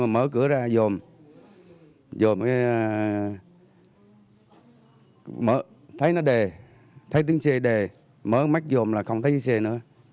mở thấy nó đề thấy tiếng xe đề mở mắt dồn là không thấy tiếng xe nữa